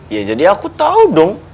ya jadi aku tahu dong